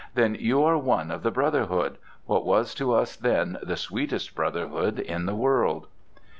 Then you are one of the brotherhood—what was to us then the sweetest brotherhood in the world!